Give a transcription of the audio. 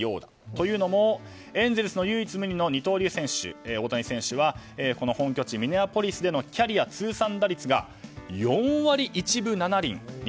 というのもエンゼルスの唯一無二の二刀流選手の大谷選手は、本拠地ミネアポリスでのキャリア通算打率が４割１分７厘。